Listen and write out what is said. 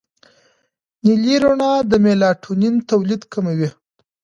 نیلي رڼا د میلاټونین تولید کموي.